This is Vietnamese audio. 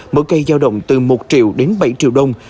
mỗi cây giao động từ một triệu đến bảy triệu đồng